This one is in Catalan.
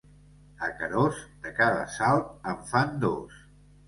A Querós de cada salt en fan dos.